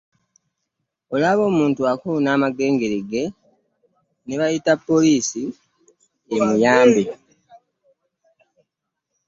Olaba omuntu akoona amagengere ge ne bayita poliisi emuyambe.